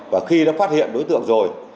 và khi đã phát hiện đối tượng rồi